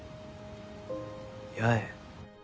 八重。